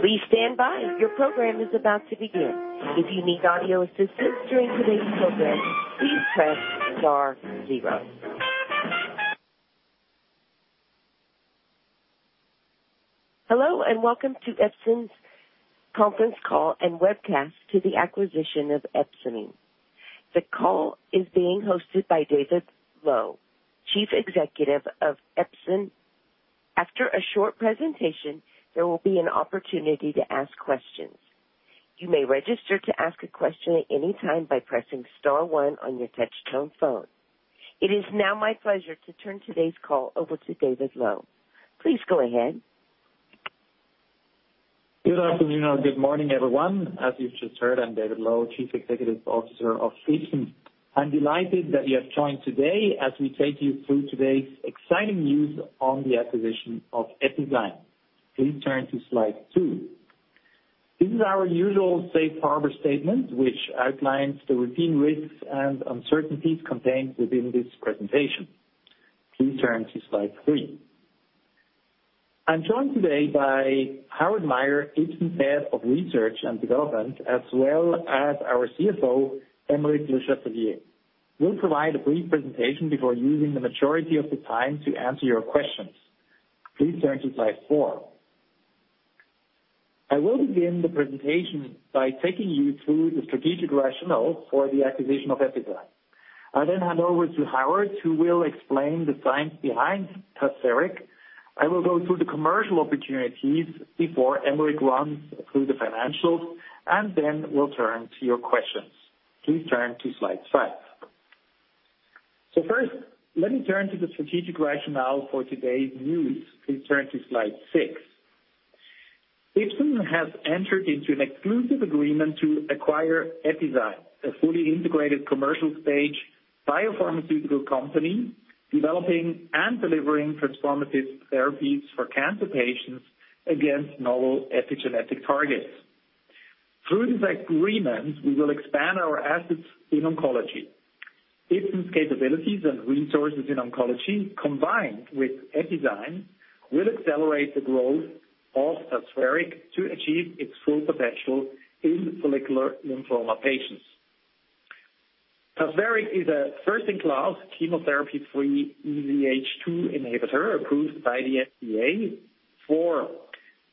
Please stand by. Your program is about to begin. If you need audio assistance during today's program, please press star zero. Hello, and welcome to Ipsen's conference call and webcast on the acquisition of Epizyme. The call is being hosted by David Loew, Chief Executive Officer of Ipsen. After a short presentation, there will be an opportunity to ask questions. You may register to ask a question at any time by pressing star one on your touch-tone phone. It is now my pleasure to turn today's call over to David Loew. Please go ahead. Good afternoon and good morning, everyone. As you've just heard, I'm David Loew, Chief Executive Officer of Ipsen. I'm delighted that you have joined today as we take you through today's exciting news on the acquisition of Epizyme. Please turn to slide two. This is our usual safe harbor statement, which outlines the routine risks and uncertainties contained within this presentation. Please turn to slide three. I'm joined today by Howard Mayer, Ipsen's Head of Research and Development, as well as our CFO, Aymeric Le Chatelier. We'll provide a brief presentation before using the majority of the time to answer your questions. Please turn to slide four. I will begin the presentation by taking you through the strategic rationale for the acquisition of Epizyme. I'll then hand over to Howard, who will explain the science behind tazemetostat. I will go through the commercial opportunities before Aymeric runs through the financials, and then we'll turn to your questions. Please turn to slide five. First, let me turn to the strategic rationale for today's news. Please turn to slide six. Ipsen has entered into an exclusive agreement to acquire Epizyme, a fully integrated commercial-stage biopharmaceutical company developing and delivering transformative therapies for cancer patients against novel epigenetic targets. Through this agreement, we will expand our assets in oncology. Ipsen's capabilities and resources in oncology, combined with Epizyme, will accelerate the growth of Tazverik to achieve its full potential in follicular lymphoma patients. Tazverik is a first-in-class chemotherapy-free EZH2 inhibitor approved by the FDA for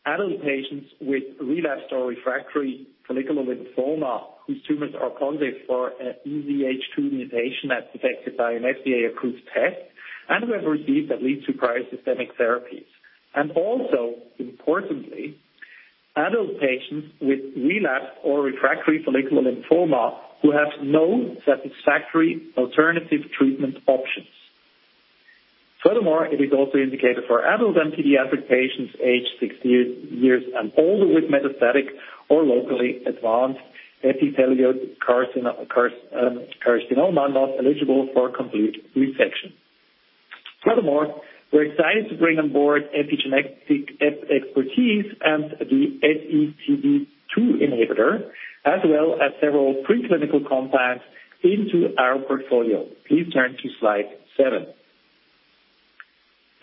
adult patients with relapsed or refractory follicular lymphoma, whose tumors are positive for an EZH2 mutation as detected by an FDA-approved test, and who have received at least two prior systemic therapies. Also, importantly, adult patients with relapsed or refractory follicular lymphoma who have no satisfactory alternative treatment options. Furthermore, it is also indicated for adult and pediatric patients aged 60 years and older with metastatic or locally advanced epithelioid sarcoma not eligible for complete resection. Furthermore, we're excited to bring on board epigenetic expertise and the SETD2 inhibitor, as well as several preclinical compounds into our portfolio. Please turn to slide seven.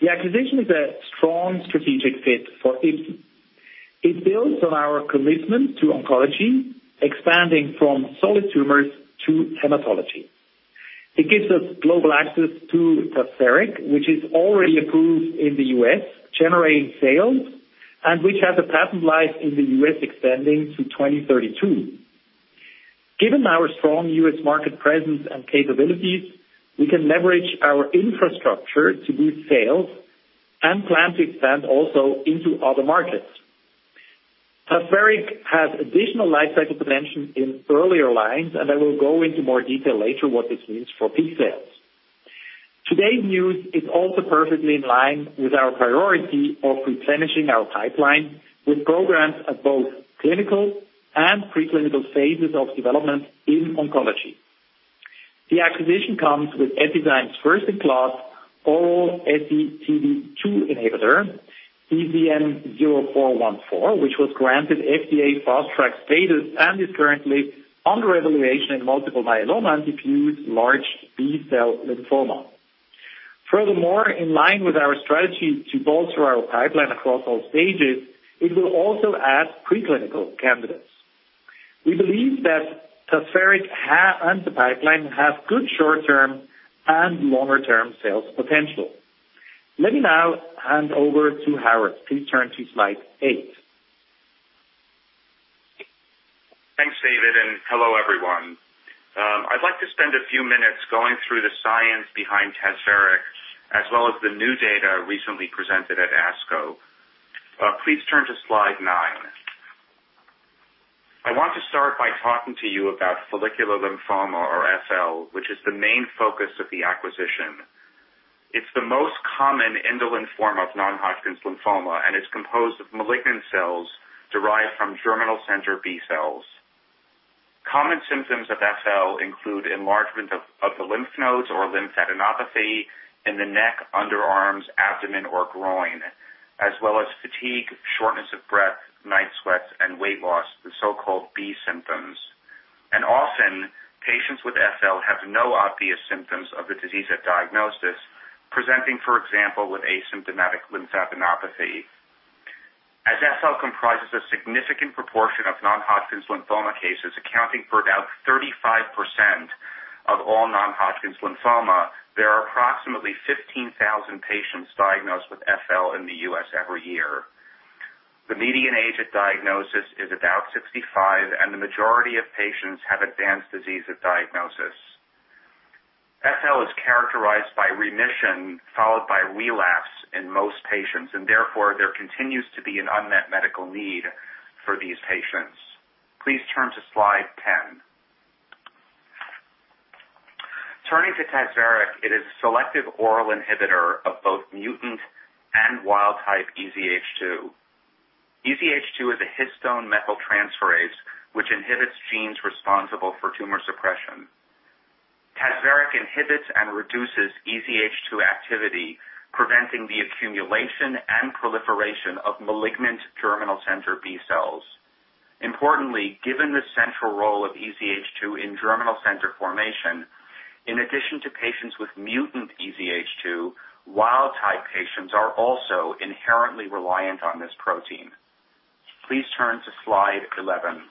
The acquisition is a strong strategic fit for Ipsen. It builds on our commitment to oncology, expanding from solid tumors to hematology. It gives us global access to Tazverik, which is already approved in the U.S., generating sales, and which has a patent life in the U.S. extending to 2032. Given our strong US market presence and capabilities, we can leverage our infrastructure to boost sales and plan to expand also into other markets. Tazverik has additional life cycle potential in earlier lines, and I will go into more detail later what this means for peak sales. Today's news is also perfectly in line with our priority of replenishing our pipeline with programs at both clinical and preclinical phases of development in oncology. The acquisition comes with Epizyme's first-in-class oral SETD2 inhibitor, EZM0414, which was granted FDA Fast Track status and is currently under evaluation in multiple myeloma and diffuse large B-cell lymphoma. Furthermore, in line with our strategy to bolster our pipeline across all stages, it will also add preclinical candidates. We believe that Tazverik and the pipeline have good short-term and longer-term sales potential. Let me now hand over to Howard. Please turn to slide eight. Thanks, David, and hello, everyone. I'd like to spend a few minutes going through the science behind Tazverik, as well as the new data recently presented at ASCO. Please turn to slide nine. I want to start by talking to you about follicular lymphoma or FL, which is the main focus of the acquisition. It's the most common indolent form of non-Hodgkin's lymphoma, and it's composed of malignant cells derived from germinal center B-cells. Common symptoms of FL include enlargement of the lymph nodes or lymphadenopathy in the neck, underarms, abdomen or groin, as well as fatigue, shortness of breath, night sweats and weight loss, the so-called B symptoms. Often, patients with FL have no obvious symptoms of the disease at diagnosis, presenting, for example, with asymptomatic lymphadenopathy. FL comprises a significant proportion of non-Hodgkin's lymphoma cases, accounting for about 35% of all non-Hodgkin's lymphoma. There are approximately 15,000 patients diagnosed with FL in the U.S. every year. The median age at diagnosis is about 65, and the majority of patients have advanced disease at diagnosis. FL is characterized by remission followed by relapse in most patients, and therefore, there continues to be an unmet medical need for these patients. Please turn to slide 10. Turning to Tazverik, it is a selective oral inhibitor of both mutant and wild-type EZH2. EZH2 is a histone methyltransferase which inhibits genes responsible for tumor suppression. Tazverik inhibits and reduces EZH2 activity, preventing the accumulation and proliferation of malignant germinal center B cells. Importantly, given the central role of EZH2 in germinal center formation, in addition to patients with mutant EZH2, wild-type patients are also inherently reliant on this protein. Please turn to slide 11.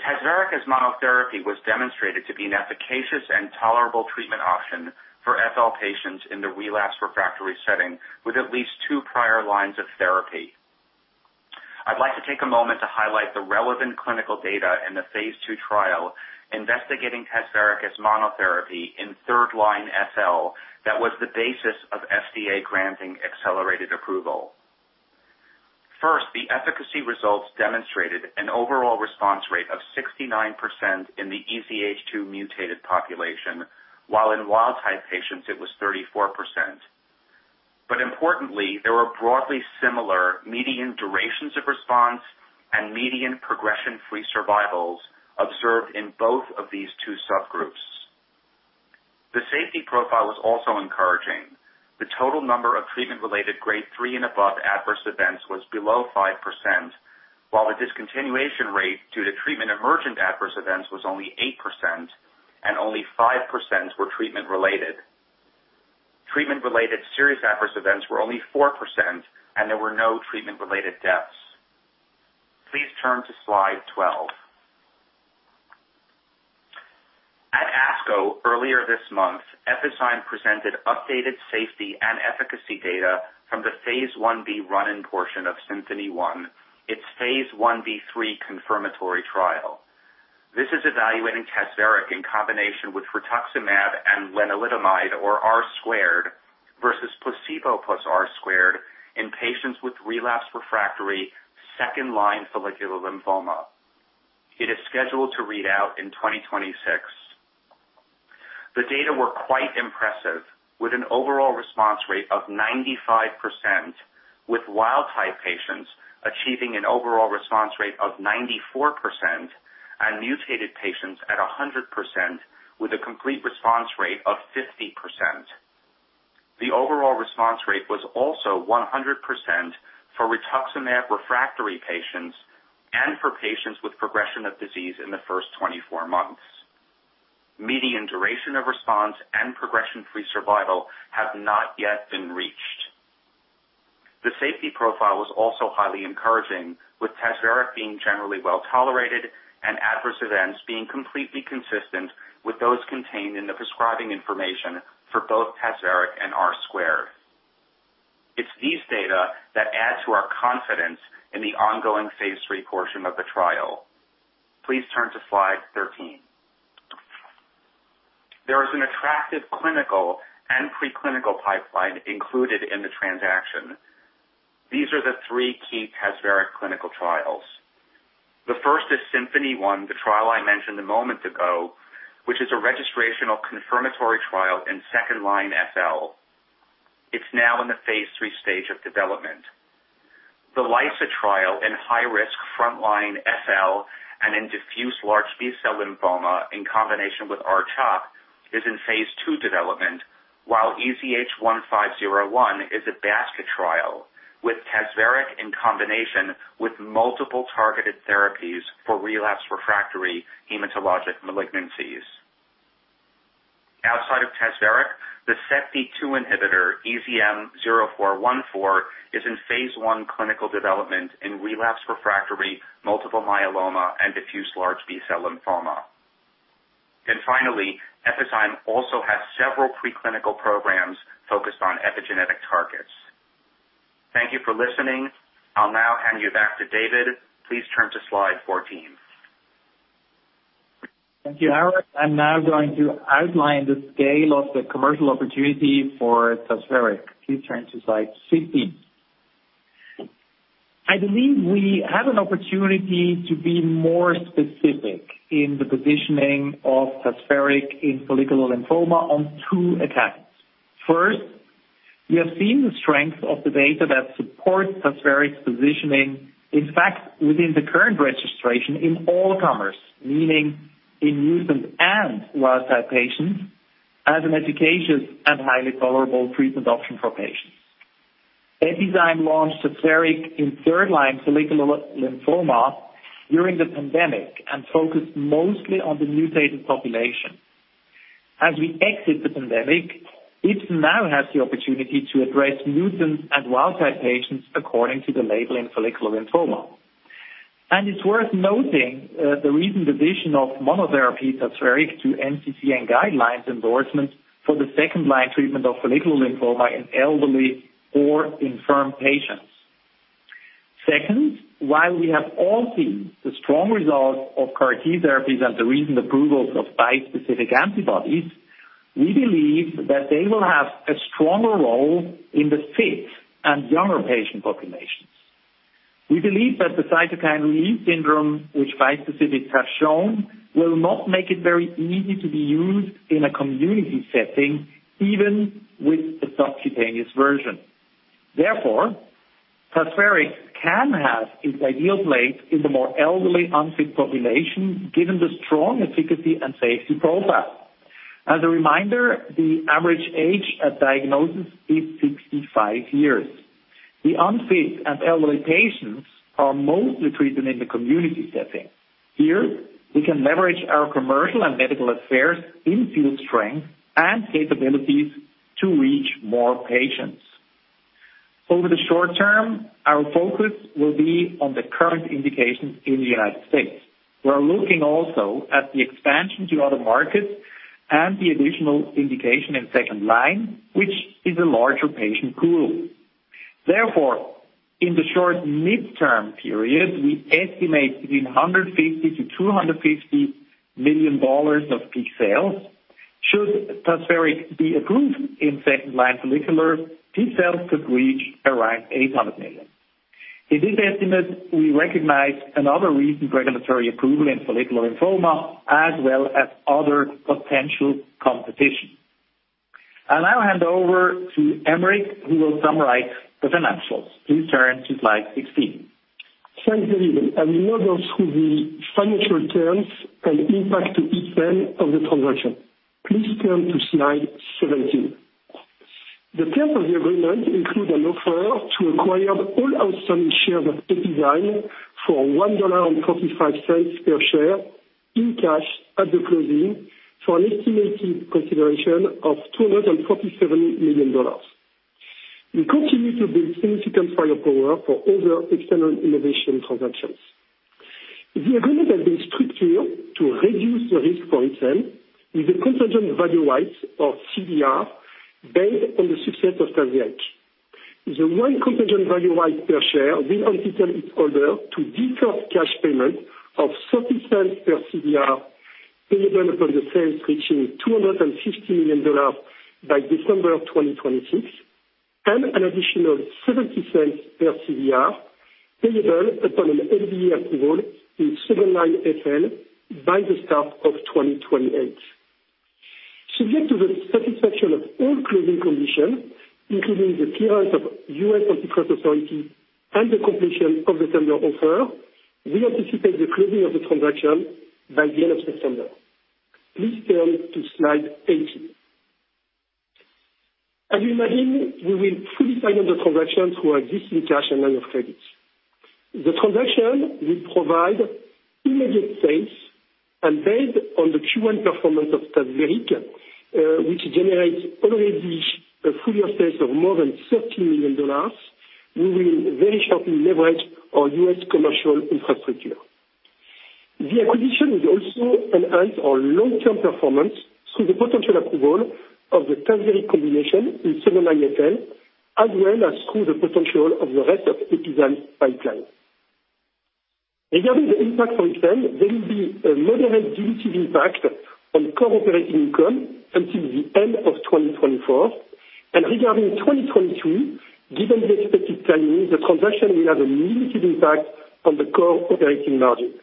Tazverik as monotherapy was demonstrated to be an efficacious and tolerable treatment option for FL patients in the relapsed refractory setting with at least two prior lines of therapy. I'd like to take a moment to highlight the relevant clinical data in the phase II trial investigating Tazverik as monotherapy in third line FL that was the basis of FDA granting accelerated approval. First, the efficacy results demonstrated an overall response rate of 69% in the EZH2 mutated population, while in wild-type patients it was 34%. Importantly, there were broadly similar median durations of response and median progression-free survivals observed in both of these two subgroups. The safety profile was also encouraging. The total number of treatment-related grade three and above adverse events was below 5%, while the discontinuation rate due to treatment emergent adverse events was only 8% and only 5% were treatment related. Treatment-related serious adverse events were only 4%, and there were no treatment-related deaths. Please turn to slide 12. At ASCO earlier this month, Epizyme presented updated safety and efficacy data from the phase I-B run-in portion of SYMPHONY-I, its phase I-B/III confirmatory trial. This is evaluating Tazverik in combination with Rituximab and Lenalidomide or R-squared versus placebo plus R-squared in patients with relapsed refractory second-line follicular lymphoma. It is scheduled to read out in 2026. The data were quite impressive, with an overall response rate of 95%, with wild-type patients achieving an overall response rate of 94% and mutated patients at 100% with a complete response rate of 50%. The overall response rate was also 100% for Rituximab refractory patients and for patients with progression of disease in the first 24 months. Median duration of response and progression-free survival have not yet been reached. The safety profile was also highly encouraging, with Tazverik being generally well-tolerated and adverse events being completely consistent with those contained in the prescribing information for both Tazverik and R-squared. It's these data that add to our confidence in the ongoing phase III portion of the trial. Please turn to slide 13. There is an attractive clinical and preclinical pipeline included in the transaction. These are the three key Tazverik clinical trials. The first is SYMPHONY-I, the trial I mentioned a moment ago, which is a registrational confirmatory trial in second line FL. It's now in the phase III stage of development. The LYSA trial in high-risk front-line FL and in diffuse large B-cell lymphoma in combination with R-CHOP is in phase II development, while EZH-1501 is a basket trial with Tazverik in combination with multiple targeted therapies for relapsed refractory hematologic malignancies. Outside of Tazverik, the SETD2 inhibitor, EZM0414, is in phase I clinical development in relapsed refractory multiple myeloma and diffuse large B-cell lymphoma. Finally, Epizyme also has several preclinical programs focused on epigenetic targets. Thank you for listening. I'll now hand you back to David. Please turn to slide 14. Thank you, Howard. I'm now going to outline the scale of the commercial opportunity for Tazverik. Please turn to slide 15. I believe we have an opportunity to be more specific in the positioning of Tazverik in follicular lymphoma on two accounts. First, we have seen the strength of the data that supports Tazverik's positioning, in fact, within the current registration in all comers, meaning in mutant and wild-type patients, as an efficacious and highly tolerable treatment option for patients. Epizyme launched the Tazverik in third line follicular lymphoma during the pandemic and focused mostly on the mutated population. As we exit the pandemic, it now has the opportunity to address mutant and wild-type patients according to the label in follicular lymphoma. It's worth noting, the recent addition of monotherapy Tazverik to NCCN guidelines endorsement for the second line treatment of follicular lymphoma in elderly or infirm patients. Second, while we have all seen the strong results of CAR T therapies and the recent approvals of bispecific antibodies, we believe that they will have a stronger role in the fit and younger patient populations. We believe that the cytokine release syndrome, which bispecifics have shown, will not make it very easy to be used in a community setting, even with the subcutaneous version. Therefore, Tazverik can have its ideal place in the more elderly, unfit population, given the strong efficacy and safety profile. As a reminder, the average age at diagnosis is 65 years. The unfit and elderly patients are mostly treated in the community setting. Here we can leverage our commercial and medical affairs in-field strength and capabilities to reach more patients. Over the short term, our focus will be on the current indications in the United States. We are looking also at the expansion to other markets and the additional indication in second-line, which is a larger patient pool. Therefore, in the short/midterm period, we estimate between $150 million-$250 million of peak sales. Should Tazverik be approved in second-line follicular, these sales could reach around $800 million. In this estimate, we recognize another recent regulatory approval in follicular lymphoma as well as other potential competition. I'll now hand over to Aymeric, who will summarize the financials. Please turn to slide 16. Thanks, David. I will now go through the financial terms and impact to Ipsen of the transaction. Please turn to slide 17. The terms of the agreement include an offer to acquire all outstanding shares of Epizyme for $1.45 per share in cash at the closing for an estimated consideration of $247 million. We continue to build significant firepower for other external innovation transactions. The agreement has been structured to reduce the risk for Ipsen with the contingent value rights, or CVR, based on the success of Tazverik. The one contingent value right per share will entitle its holder to deferred cash payment of $0.30 per CVR, payable upon the sales reaching $250 million by December of 2026, and an additional $0.70 per CVR, payable upon an NDA approval in second-line FL by the start of 2028. Subject to the satisfaction of all closing conditions, including the clearance of U.S. antitrust authority and the completion of the tender offer, we anticipate the closing of the transaction by the end of September. Please turn to slide 18. As you imagine, we will fully fund the transaction through existing cash and line of credit. The transaction will provide immediate sales, and based on the Q1 performance of Tazverik, which generates already a full year sales of more than $13 million, we will very shortly leverage our U.S. commercial infrastructure. The acquisition will also enhance our long-term performance through the potential approval of the Tazverik combination in second-line FL, as well as through the potential of the rest of Epizyme's pipeline. Regarding the impact on EPS, there will be a moderate dilutive impact on core operating income until the end of 2024. Regarding 2022, given the expected timing, the transaction will have a limited impact on the core operating margin.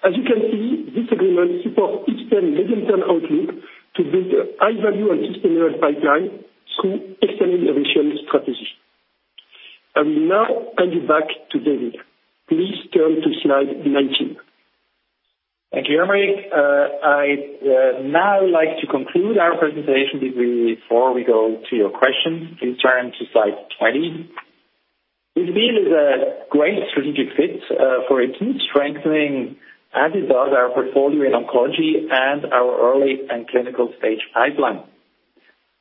As you can see, this agreement supports our 2025 medium-term outlook to build a high-value and sustainable pipeline through external innovation strategy. I will now hand it back to David. Please turn to slide 19. Thank you, Aymeric. I'd now like to conclude our presentation before we go to your questions. Please turn to slide 20. We feel it is a great strategic fit, for it keeps strengthening and it adds our portfolio in oncology and our early and clinical-stage pipeline.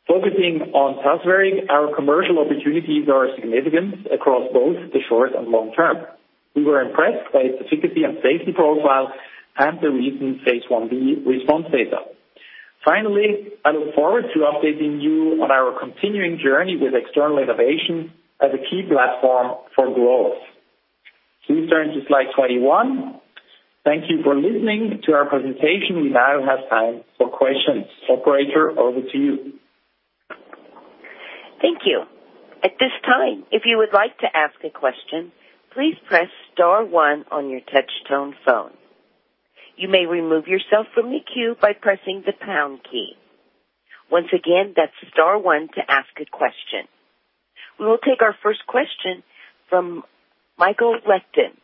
Focusing on Tazverik, our commercial opportunities are significant across both the short and long term. We were impressed by its efficacy and safety profile and the recent phase I-B response data. Finally, I look forward to updating you on our continuing journey with external innovation as a key platform for growth. Please turn to slide 21. Thank you for listening to our presentation. We now have time for questions. Operator, over to you. Thank you. At this time, if you would like to ask a question, please press star one on your touch tone phone. You may remove yourself from the queue by pressing the pound key. Once again, that's star one to ask a question. We will take our first question from Michael Leuchten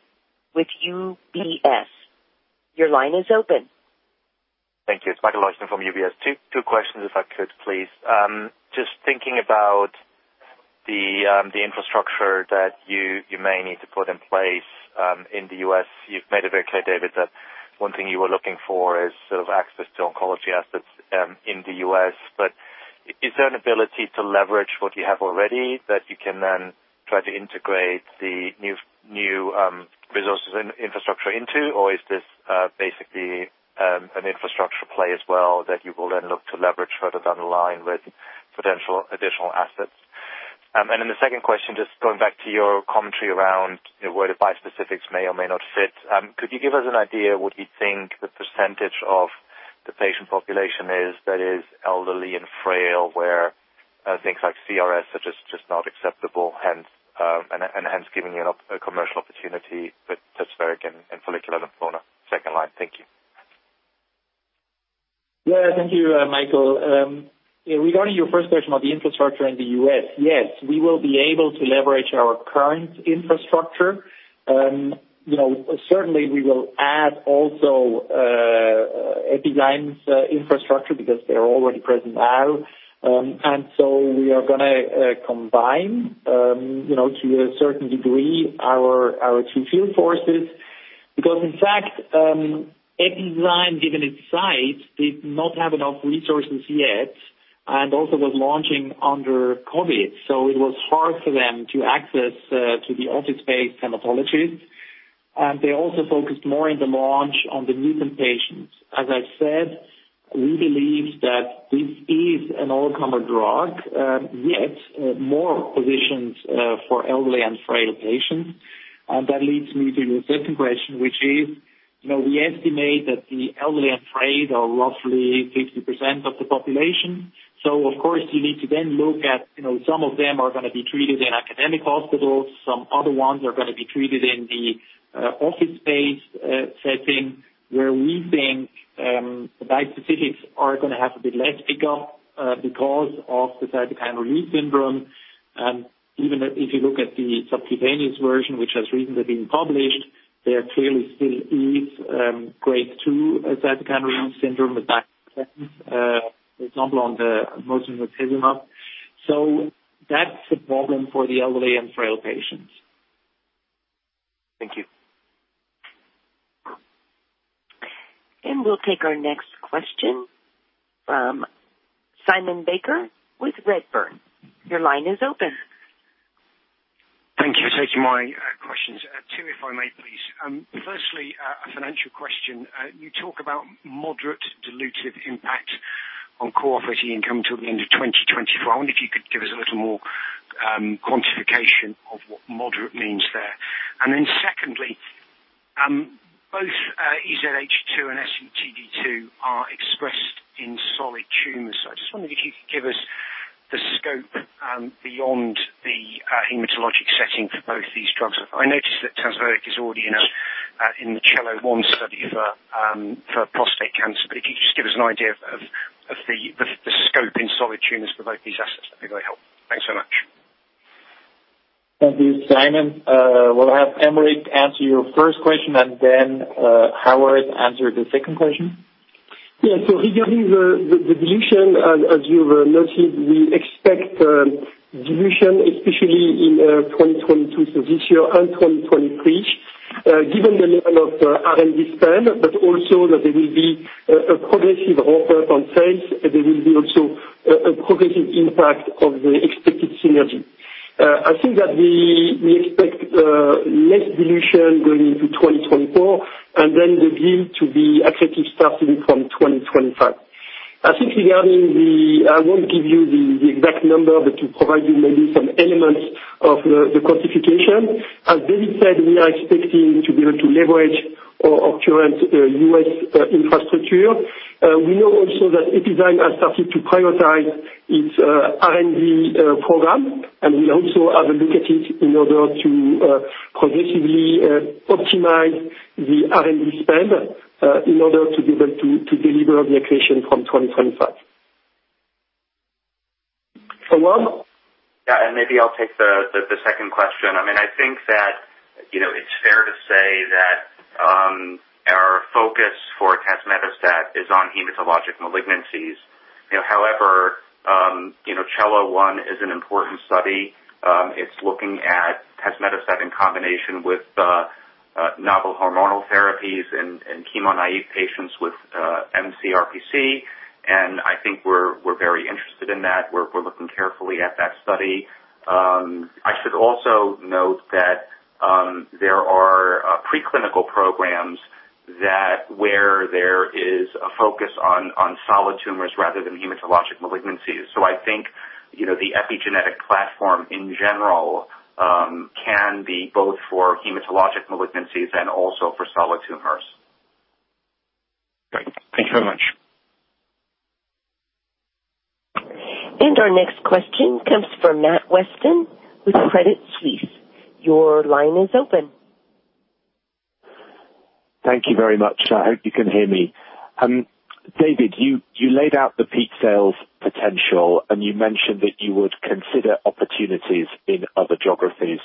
with UBS. Your line is open. Thank you. It's Michael Leuchten from UBS. Two questions if I could please. Just thinking about the infrastructure that you may need to put in place in the U.S. You've made it very clear, David, that one thing you were looking for is sort of access to oncology assets in the U.S. Is there an ability to leverage what you have already that you can then try to integrate the new resources and infrastructure into? Or is this basically an infrastructure play as well that you will then look to leverage further down the line with potential additional assets? The second question, just going back to your commentary around where the bispecifics may or may not fit. Could you give us an idea what you think the percentage of the patient population is that is elderly and frail, where things like CRS are just not acceptable, hence and hence giving you a commercial opportunity with Tazverik in follicular lymphoma? Second line. Thank you. Yeah. Thank you, Michael. Regarding your first question about the infrastructure in the U.S., yes, we will be able to leverage our current infrastructure. You know, certainly we will add also Epizyme's infrastructure because they are already present now. We are gonna combine, you know, to a certain degree our two field forces because in fact, Epizyme, given its size, did not have enough resources yet and also was launching under COVID. It was hard for them to access to the office-based hematologists. They also focused more in the launch on the mutant patients. As I said, we believe that this is an all-comer drug, yet more positioned for elderly and frail patients. That leads me to your second question, which is, you know, we estimate that the elderly and frail are roughly 50% of the population. Of course you need to then look at, you know, some of them are gonna be treated in academic hospitals, some other ones are gonna be treated in the office space setting, where we think the bispecifics are gonna have a bit less pickup because of the cytokine release syndrome. Even if you look at the subcutaneous version, which has recently been published, there clearly still is grade two cytokine release syndrome with example on the Mosunetuzumab. That's a problem for the elderly and frail patients. Thank you. We'll take our next question from Simon Baker with Redburn. Your line is open. Thank you for taking my questions. Two, if I may please. Firstly, a financial question. You talk about moderate dilutive impact on core operating income till the end of 2024. I wonder if you could give us a little more quantification of what moderate means there. Secondly, both EZH2 and SETD2 are expressed in solid tumors. I just wondered if you could give us the scope beyond the hematologic setting for both these drugs. I noticed that Tazverik is already in the CELLO-I study for prostate cancer. If you could just give us an idea of the scope in solid tumors for both these assets, that'd be very helpful. Thanks so much. Thank you, Simon. We'll have Aymeric answer your first question and then, Howard answer the second question. Yeah. Regarding the dilution, as you've noted, we expect dilution, especially in 2022, so this year, and 2023, given the level of R&D spend, but also that there will be a progressive ramp-up on sales. There will be also a progressive impact of the expected synergy. I think that we expect less dilution going into 2024 and then the deal to be accretive starting from 2025. I think regarding the. I won't give you the exact number, but to provide you maybe some elements of the quantification. As David said, we are expecting to be able to leverage our current US infrastructure. We know also that Epizyme has started to prioritize its R&D program, and we'll also have a look at it in order to progressively optimize the R&D spend in order to be able to deliver the accretion from 2025. Howard? Yeah. Maybe I'll take the second question. I mean, I think that, you know, it's fair to say that our focus for Tazemetostat is on hematologic malignancies. You know, however, you know, CELLO-I is an important study. It's looking at Tazemetostat in combination with novel hormonal therapies in chemo-naive patients with mCRPC, and I think we're very interested in that. We're looking carefully at that study. I should also note that there are preclinical programs where there is a focus on solid tumors rather than hematologic malignancies. I think, you know, the epigenetic platform in general can be both for hematologic malignancies and also for solid tumors. Great. Thank you very much. Our next question comes from Matt Weston with Credit Suisse. Your line is open. Thank you very much. I hope you can hear me. David, you laid out the peak sales potential, and you mentioned that you would consider opportunities in other geographies.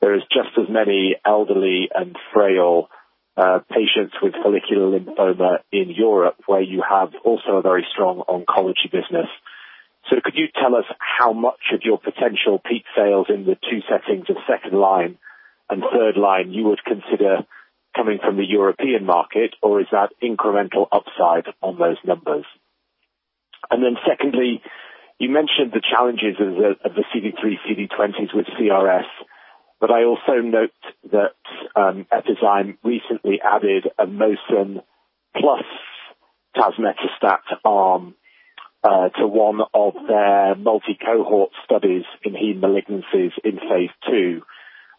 There is just as many elderly and frail patients with follicular lymphoma in Europe, where you have also a very strong oncology business. Could you tell us how much of your potential peak sales in the two settings of second line and third line you would consider coming from the European market, or is that incremental upside on those numbers? Secondly, you mentioned the challenges of the CD3/CD20s with CRS, but I also note that Epizyme recently added a Mosunetuzumab plus Tazemetostat arm to one of their multi-cohort studies in hematologic malignancies in phase II.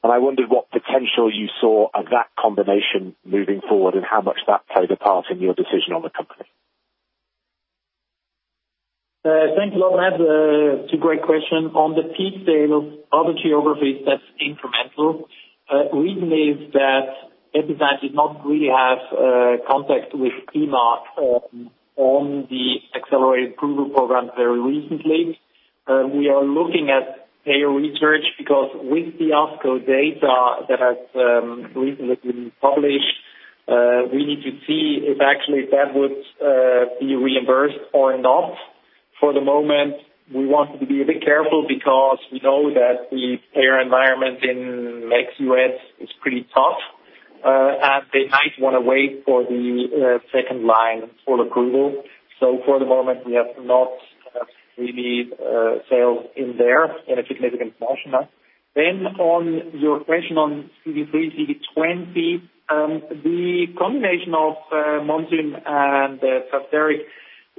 I wondered what potential you saw of that combination moving forward and how much that played a part in your decision on the company? Thanks a lot. That's a great question. On the peak sales of other geographies, that's incremental. Reason is that Epizyme did not really have contact with EMA on the accelerated approval program very recently. We are looking at payer research because with the ASCO data that has recently been published, we need to see if actually that would be reimbursed or not. For the moment, we want to be a bit careful because we know that the payer environment in ex-US is pretty tough, and they might wanna wait for the second-line full approval. For the moment, we have not really sales in there in a significant fashion. On your question on CD3/CD20, the combination of Mosunetuzumab and Tazverik,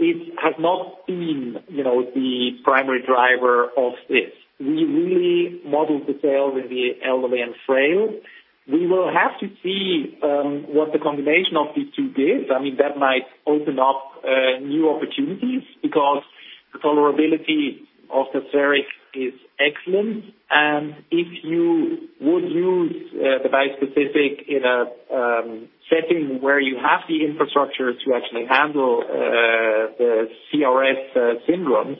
it has not been, you know, the primary driver of this. We really modeled the sales in the elderly and frail. We will have to see what the combination of these two is. I mean, that might open up new opportunities because the tolerability of Tazverik is excellent. If you would use the bispecific in a setting where you have the infrastructure to actually handle the CRS syndromes,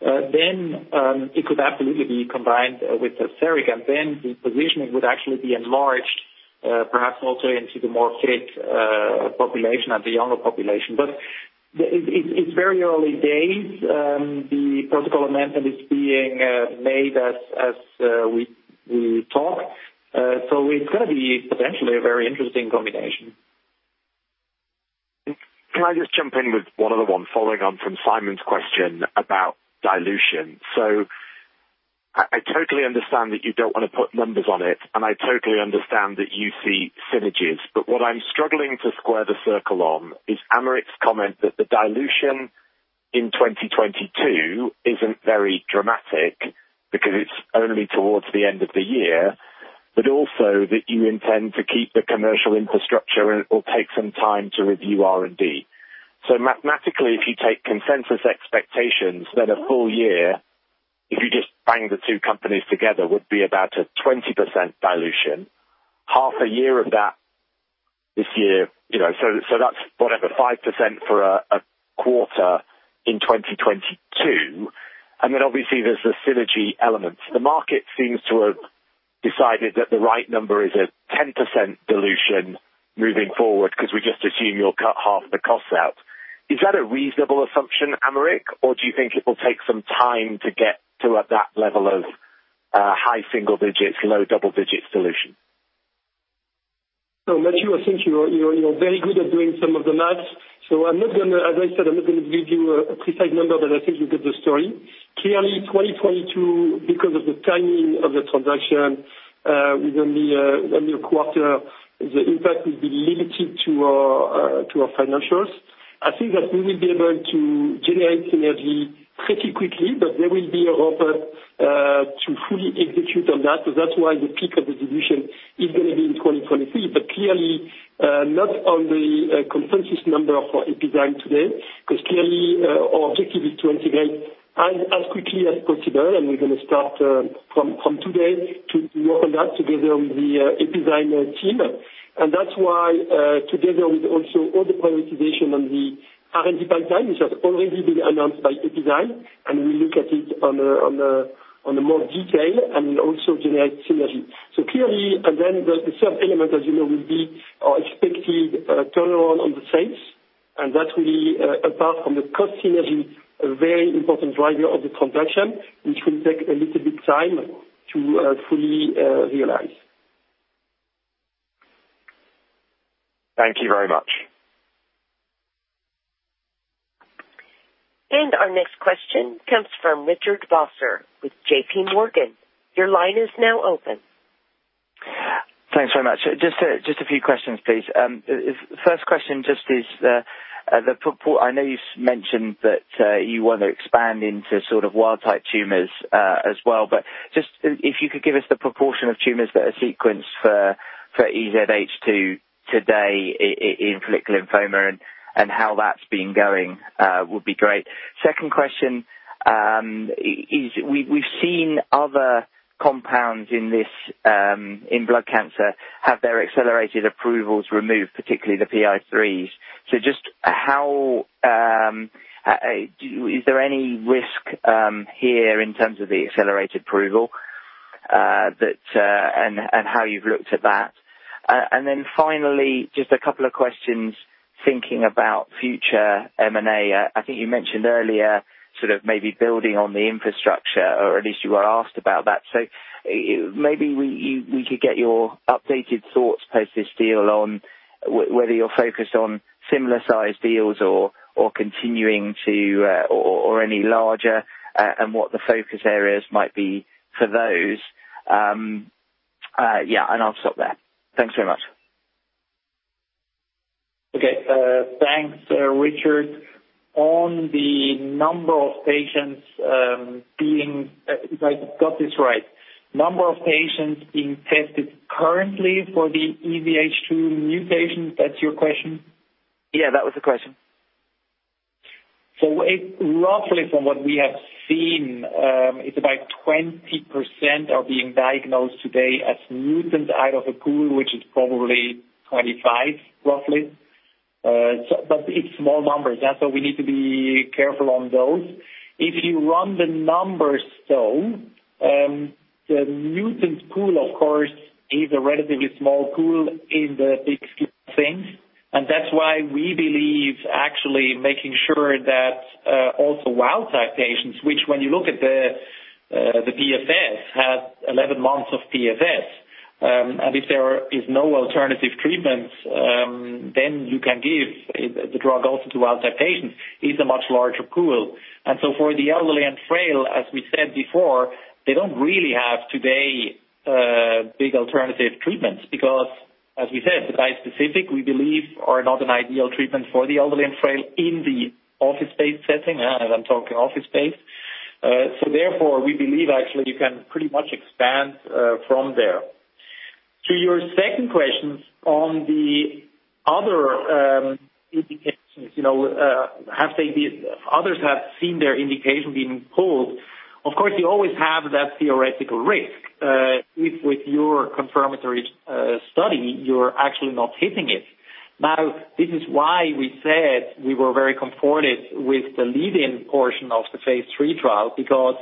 then it could absolutely be combined with Tazverik, and then the positioning would actually be enlarged perhaps also into the more fit population and the younger population. It's very early days. The protocol amendment is being made as we talk. It could be potentially a very interesting combination. Can I just jump in with one other one following on from Simon's question about dilution? I totally understand that you don't wanna put numbers on it, and I totally understand that you see synergies, but what I'm struggling to square the circle on is Aymeric's comment that the dilution in 2022 isn't very dramatic because it's only towards the end of the year. also that you intend to keep the commercial infrastructure, and it will take some time to review R&D. Mathematically, if you take consensus expectations, then a full year, if you just bang the two companies together, would be about a 20% dilution. Half a year of that this year, you know. that's whatever, 5% for a quarter in 2022. Then obviously there's the synergy elements. The market seems to have decided that the right number is a 10% dilution moving forward because we just assume you'll cut half the costs out. Is that a reasonable assumption, Aymeric, or do you think it will take some time to get to that level of high single digits, low double digits dilution? Matt, I think you're very good at doing some of the math. I'm not gonna, as I said, give you a precise number, but I think you get the story. Clearly, 2022, because of the timing of the transaction within the quarter, the impact will be limited to our financials. I think that we will be able to generate synergy pretty quickly, but there will be a ramp up to fully execute on that. That's why the peak of the dilution is gonna be in 2023. But clearly, not on the consensus number for Epizyme today, 'cause clearly our objective is to integrate as quickly as possible. We're gonna start from today to work on that together with the Epizyme team. That's why, together with also all the prioritization on the R&D pipeline, which has already been announced by Epizyme, and we look at it in more detail and also generate synergy. Clearly, the third element, as you know, will be our expected turnaround on the sales. That will be, apart from the cost synergy, a very important driver of the transaction, which will take a little bit time to fully realize. Thank you very much. Our next question comes from Richard Vosser with JPMorgan. Your line is now open. Thanks very much. Just a few questions, please. First question is the proportion. I know you've mentioned that you want to expand into sort of wild type tumors as well. But if you could give us the proportion of tumors that are sequenced for EZH2 today in follicular lymphoma and how that's been going would be great. Second question is we've seen other compounds in blood cancer have their accelerated approvals removed, particularly the PI3Ks. Just how is there any risk here in terms of the accelerated approval? That and how you've looked at that. Finally, just a couple of questions thinking about future M&A. I think you mentioned earlier sort of maybe building on the infrastructure, or at least you were asked about that. Maybe we could get your updated thoughts post this deal on whether you're focused on similar size deals or continuing to or any larger, and what the focus areas might be for those. Yeah, I'll stop there. Thanks very much. Okay. Thanks, Richard. On the number of patients. If I got this right, number of patients being tested currently for the EZH2 mutation, that's your question? Yeah, that was the question. It's roughly from what we have seen, it's about 20% are being diagnosed today as mutant out of a pool, which is probably 25, roughly. It's small numbers. That's why we need to be careful on those. If you run the numbers though, the mutant pool, of course, is a relatively small pool in the big scheme of things. That's why we believe actually making sure that also wild-type patients, which when you look at the PFS, have 11 months of PFS. If there is no alternative treatments, then you can give the drug also to wild-type patients is a much larger pool. For the elderly and frail, as we said before, they don't really have today big alternative treatments because as we said, the bispecific, we believe, are not an ideal treatment for the elderly and frail in the office-based setting, as I'm talking office-based. Therefore, we believe actually you can pretty much expand from there. To your second questions on the other indications, you know, others have seen their indications being pulled. Of course, you always have that theoretical risk if with your confirmatory study, you're actually not hitting it. Now, this is why we said we were very comforted with the lead-in portion of the phase III trial because,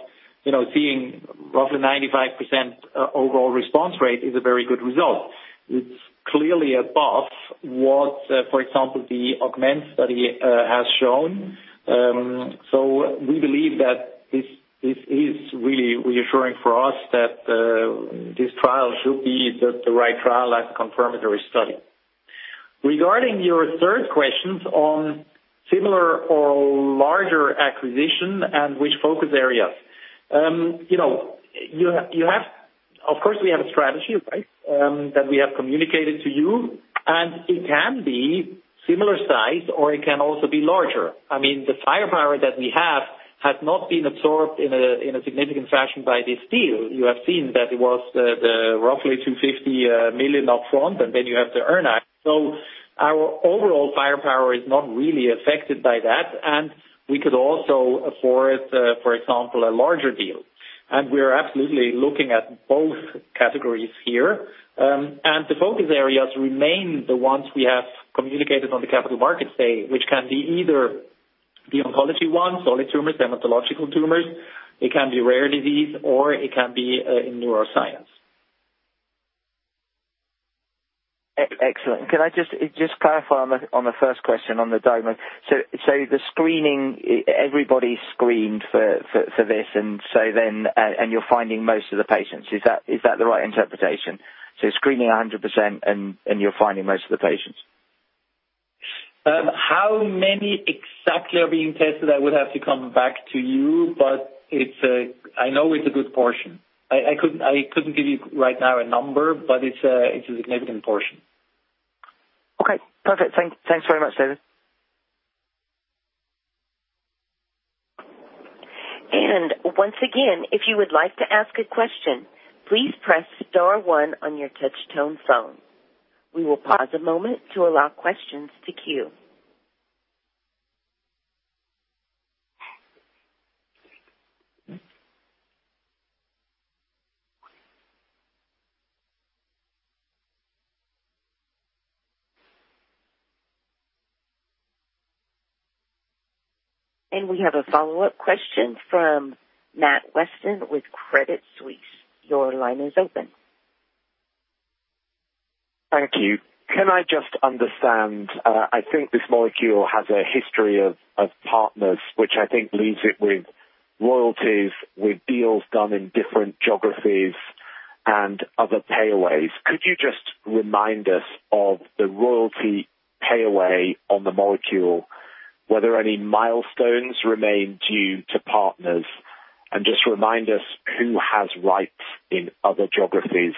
you know, seeing roughly 95% overall response rate is a very good result. It's clearly above what, for example, the AUGMENT study has shown. We believe that this is really reassuring for us that this trial should be the right trial as a confirmatory study. Regarding your third questions on similar or larger acquisition and which focus areas. You know, you have. Of course, we have a strategy, right, that we have communicated to you, and it can be similar size or it can also be larger. I mean, the firepower that we have has not been absorbed in a significant fashion by this deal. You have seen that it was the roughly $250 million upfront, and then you have the earn out. Our overall firepower is not really affected by that. We could also afford, for example, a larger deal. We are absolutely looking at both categories here. The focus areas remain the ones we have communicated on the Capital Markets Day, which can be either the oncology one, solid tumors, dermatological tumors. It can be rare disease, or it can be in neuroscience. Excellent. Can I just clarify on the first question on the DOMA. The screening, everybody's screened for this, and you're finding most of the patients. Is that the right interpretation? Screening 100% and you're finding most of the patients. How many exactly are being tested? I would have to come back to you, but it's a good portion. I couldn't give you right now a number, but it's a significant portion. Okay. Perfect. Thanks very much, David. Once again, if you would like to ask a question, please press star one on your touch tone phone. We will pause a moment to allow questions to queue. We have a follow-up question from Matt Weston with Credit Suisse. Your line is open. Thank you. Can I just understand, I think this molecule has a history of partners, which I think leaves it with royalties, with deals done in different geographies and other payaways. Could you just remind us of the royalty payaway on the molecule? Were there any milestones remain due to partners? Just remind us who has rights in other geographies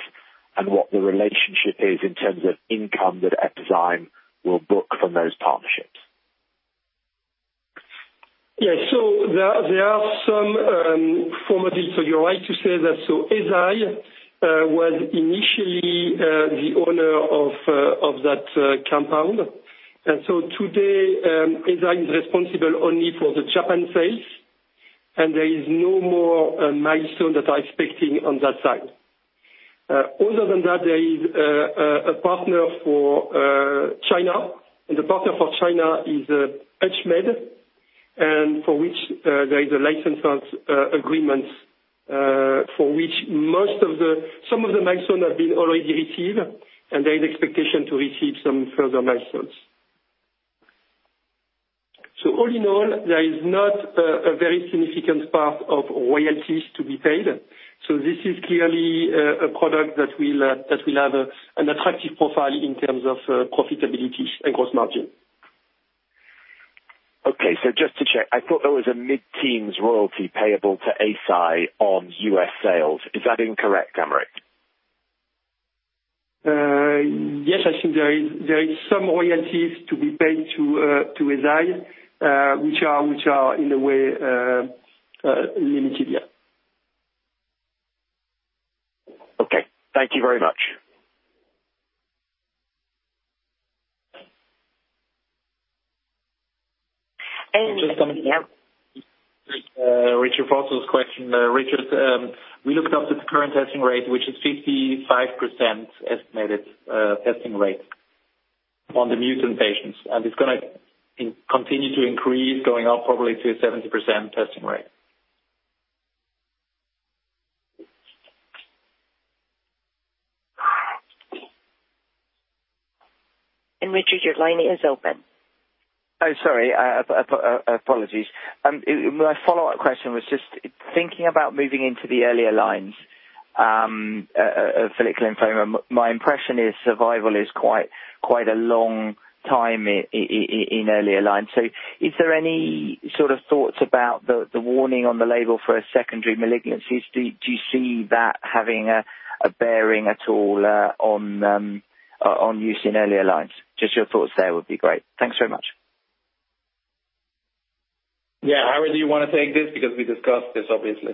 and what the relationship is in terms of income that Epizyme will book from those partnerships. Yeah. There are some former deals. You're right to say that. Eisai was initially the owner of that compound. Today, Eisai is responsible only for the Japan sales, and there is no more milestone that are expecting on that side. Other than that, there is a partner for China, and the partner for China is HUTCHMED, and for which there is a license agreement, for which some of the milestones have been already received, and there is expectation to receive some further milestones. All in all, there is not a very significant part of royalties to be paid. This is clearly a product that will have an attractive profile in terms of profitability and gross margin. Okay. Just to check, I thought there was a mid-teens royalty payable to Eisai on US sales. Is that incorrect, Aymeric? Yes. I think there is some royalties to be paid to Eisai, which are in a way limited. Yeah. Okay. Thank you very much. And- Just on- Yeah. Richard Vosser's question. Richard, we looked up the current testing rate, which is 55% estimated testing rate on the mutant patients. It's gonna continue to increase, going up probably to a 70% testing rate. Richard, your line is open. Oh, sorry. Apologies. My follow-up question was just thinking about moving into the earlier lines of follicular lymphoma. My impression is survival is quite a long time in earlier lines. Is there any sort of thoughts about the warning on the label for secondary malignancies? Do you see that having a bearing at all on use in earlier lines? Just your thoughts there would be great. Thanks very much. Yeah. Howard, do you wanna take this? Because we discussed this, obviously.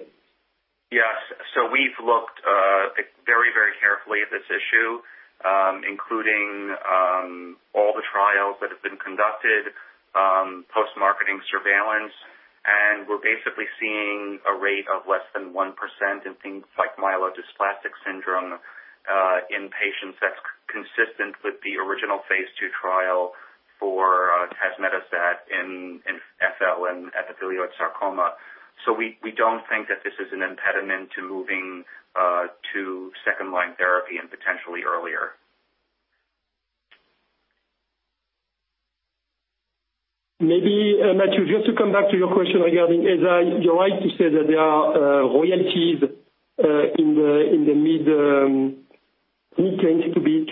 Yes. We've looked very, very carefully at this issue, including all the trials that have been conducted, post-marketing surveillance. We're basically seeing a rate of less than 1% in things like myelodysplastic syndrome in patients that's consistent with the original phase II trial for tazemetostat in FL and epithelioid sarcoma. We don't think that this is an impediment to moving to second-line therapy and potentially earlier. Maybe, Matt, just to come back to your question regarding Eisai. You're right to say that there are royalties in the mid-teens to be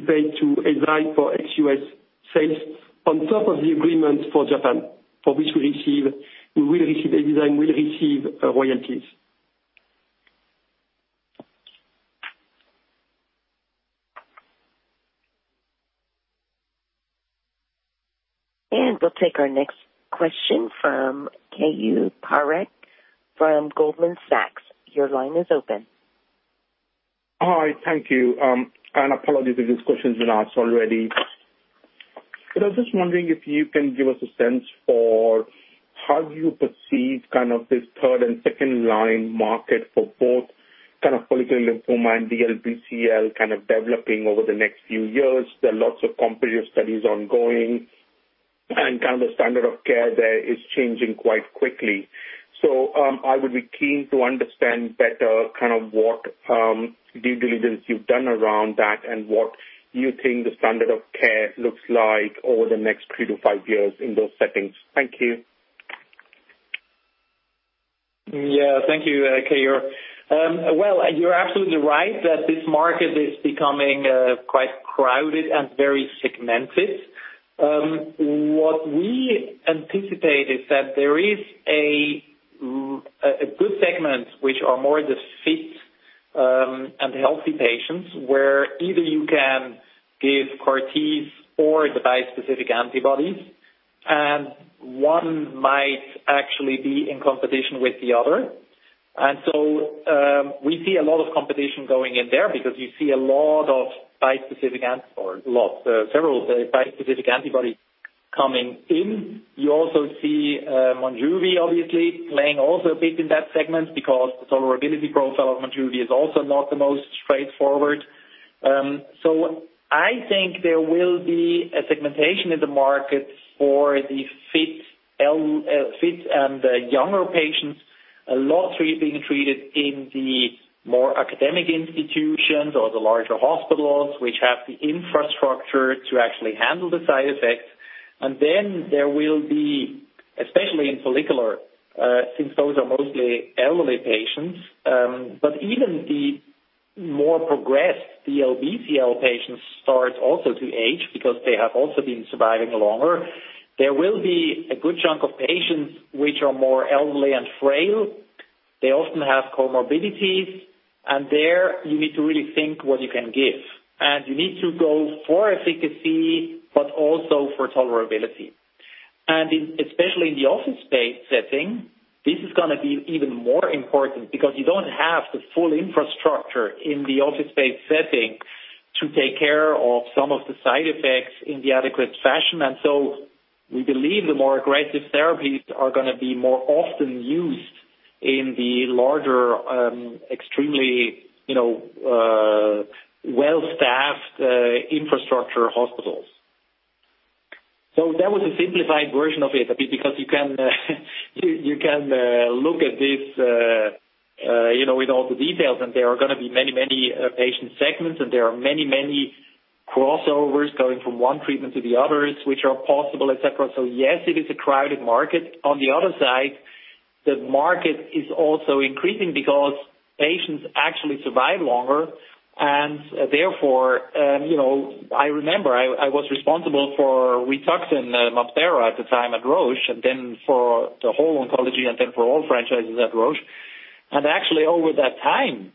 paid to Eisai for ex US sales on top of the agreements for Japan, for which Eisai will receive royalties. We'll take our next question from Keyur Parekh from Goldman Sachs. Your line is open. Hi. Thank you. Apologies if this question's been asked already. I was just wondering if you can give us a sense for how you perceive kind of this third and second line market for both kind of follicular lymphoma and DLBCL kind of developing over the next few years. There are lots of competitive studies ongoing and kind of the standard of care there is changing quite quickly. I would be keen to understand better kind of what, due diligence you've done around that and what you think the standard of care looks like over the next three-five years in those settings. Thank you. Yeah. Thank you, Keyur. Well, you're absolutely right that this market is becoming quite crowded and very segmented. What we anticipate is that there is a good segment which are more the fit and healthy patients, where either you can give CAR-Ts or the bispecific antibodies, and one might actually be in competition with the other. We see a lot of competition going in there because you see several bispecific antibodies coming in. You also see Monjuvi obviously playing also a bit in that segment because the tolerability profile of Monjuvi is also not the most straightforward. I think there will be a segmentation in the market for the fit and younger patients, a lot who are being treated in the more academic institutions or the larger hospitals, which have the infrastructure to actually handle the side effects. There will be, especially in follicular, since those are mostly elderly patients, but even the more progressed DLBCL patients start also to age because they have also been surviving longer. There will be a good chunk of patients which are more elderly and frail. They often have comorbidities. There you need to really think what you can give, and you need to go for efficacy, but also for tolerability. Especially in the office-based setting, this is gonna be even more important because you don't have the full infrastructure in the office-based setting to take care of some of the side effects in the adequate fashion. We believe the more aggressive therapies are gonna be more often used in the larger, extremely, you know, well-staffed, infrastructure hospitals. That was a simplified version of it, because you can look at this, you know, with all the details, and there are gonna be many patient segments, and there are many crossovers going from one treatment to the others, which are possible, et cetera. Yes, it is a crowded market. On the other side, the market is also increasing because patients actually survive longer. Therefore, you know, I remember I was responsible for Rituxan, MabThera at the time at Roche, and then for the whole oncology and then for all franchises at Roche. Actually, over that time,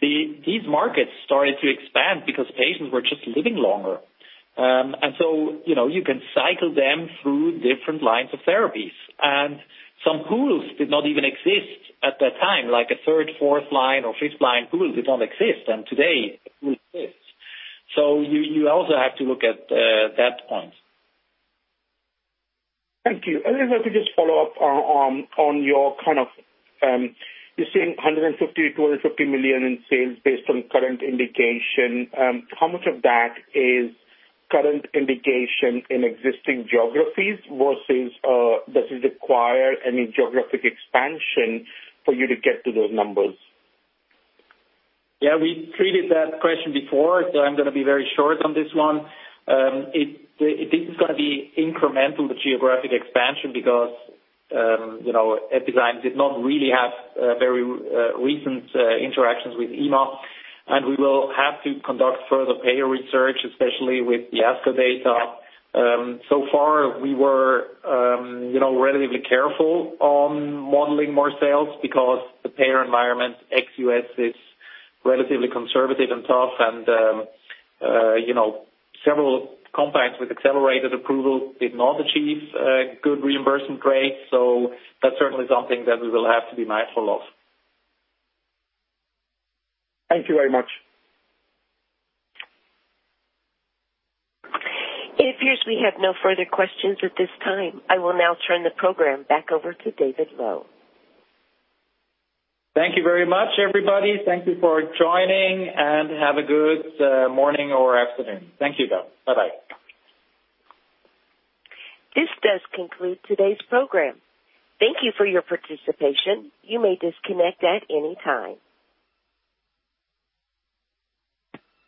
these markets started to expand because patients were just living longer. You know, you can cycle them through different lines of therapies. Some pools did not even exist at that time, like a third, fourth line or fifth line pools did not exist, and today it exists. You also have to look at that point. Thank you. If I could just follow up on your kind of, you're saying 150 million-250 million in sales based on current indication. How much of that is current indication in existing geographies versus does it require any geographic expansion for you to get to those numbers? Yeah, we treated that question before, so I'm gonna be very short on this one. This is gonna be incremental, the geographic expansion, because you know, Epizyme did not really have very recent interactions with EMA, and we will have to conduct further payer research, especially with the ASCO data. So far, we were you know, relatively careful on modeling more sales because the payer environment ex US is relatively conservative and tough and you know, several compounds with accelerated approval did not achieve good reimbursement rates. So that's certainly something that we will have to be mindful of. Thank you very much. It appears we have no further questions at this time. I will now turn the program back over to David Loew. Thank you very much, everybody. Thank you for joining, and have a good morning or afternoon. Thank you, though. Bye-bye. This does conclude today's program. Thank you for your participation. You may disconnect at any time.